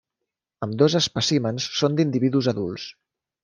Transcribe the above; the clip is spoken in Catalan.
Ambdós espècimens són d’individus adults.